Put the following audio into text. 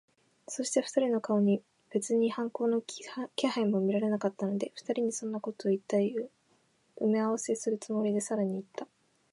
そして、二人の顔に別に反抗の気配も見られなかったので、二人にそんなことをいった埋合せをするつもりで、さらにいった。